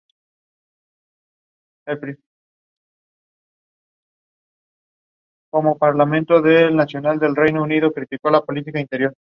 A bordo voló el primer cosmonauta búlgaro, Georgi Ivanov.